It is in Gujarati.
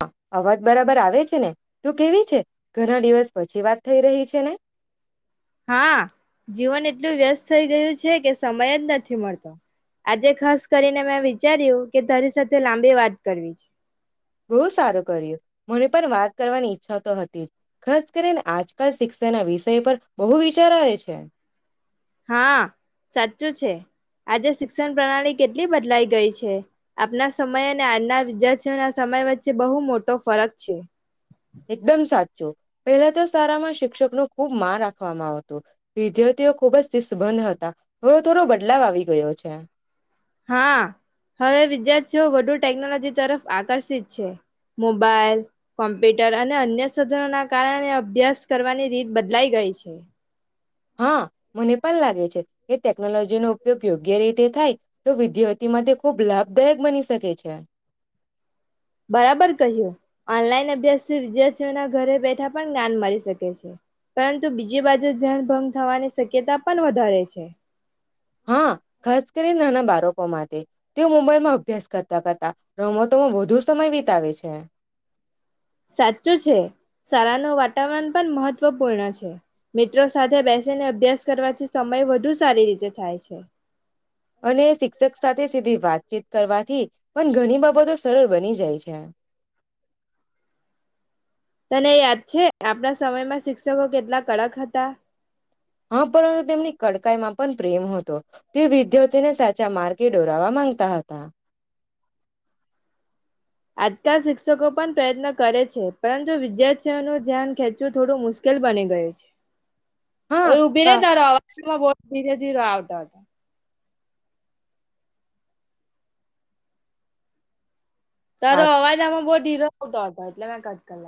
હા, અવાજ બરાબર આવે છે ને? તું કેવી છે, ઘણા દિવસ પછી વાત થઈ રહી છે ને. હા જીવન એટલું વ્યસ્ત થઈ ગયું છે, કે સમય જ નથી મળતો આજે ખાસ કરીને મેં વિચાર્યું કે તારી સાથે લાંબી વાત કરવી છે. બહુ સારું કર્યું. મને પણ વાત કરવાની ઈચ્છા તો હતી. ખાસ કરીને આજકાલ શિક્ષાના વિષય પર બહુ વિચાર આવે છે. હા સાચું છે. આજે શિક્ષણ પ્રણાલી કેટલી બદલાઈ ગઈ છે. આપના સમય અને આજના વિદ્યાર્થીઓ ના સમય વચ્ચે બહુ મોટો ફરક છે. એકદમ સાચું, પહેલા તો શાળામાં શિક્ષક નો ખુબ માન રાખવામાં આવતુ. વિદ્યાર્થીઓ ખુબ જ સ્થિત બંધ હતા. હવે થોડો બદલાવ આવી ગયો છે. હા, હવે વિદ્યાર્થીઓ વધુ ટેકનોલોજી તરફ આકર્ષિત છે. મોબાઈલ, કોમ્પ્યુટર અને અન્ય સાધનો ના કારણે અભ્યાસ કરવાની રીત બદલાઈ ગઈ છે. હા મને પણ લાગે છે, કે ટેકનોલોજીનો ઉપયોગ યોગ્ય રીતે થાય તો વિદ્યાર્થી માટે ખૂબ લાભદાયક બની શકે છે. બરાબર કહ્યું, ઓનલાઈન અબ વિધાર્થી વિદ્યાર્થીઓના ઘરે બેઠા પણ જ્ઞાન મળી શકે છે, પરંતુ બીજી બાજુ ધ્યાન ભંગ થવાની શક્યતા પણ વધારે છે. હા ખાસ કરીને નાના બાળકો માટે તેઓ મુંબઈમાં અભ્યાસ કરતા કરતા, રમતોમાં વધુ સમય વિતાવે છે. સાચું છે, શાળાનું વાતાવરણ પણ મહત્વપૂર્ણ છે. મિત્રો સાથે બેસીને અભ્યાસ કરવાથી સમય વધુ સારી રીતે થાય છે. અને શિક્ષક સાથે સીધી વાતચીત કરવાથી પણ ઘણી બાબતો સરળ બની જાય છે. તને યાદ છે, આપણા સમયમાં શિક્ષકો કેટલા કડક હતા. હા, પરંતુ તેમની કડકાઈમાં પણ પ્રેમ હતો તે વિદ્યાર્થીને સાચા માર્ગે દોરાવા માંગતા હતા. આજકાલ શિક્ષકો પણ પ્રયત્ન કરે છે, પરંતુ વિદ્યાર્થીઓનું ધ્યાન ખેંચવું થોડું મુશ્કેલ બની ગયું છે. હા ઓય ઉભી રે કા તારા અવાજમાં બો [inaudible] ધીરે ધીરે આવતા હતા. તારો અવાજ આમાં બો ધીરો [inaudible] હતા એટલે મેં કટ કરલા.